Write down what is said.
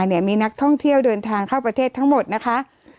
เนี่ยมีนักท่องเที่ยวเดินทางเข้าประเทศทั้งหมดนะคะ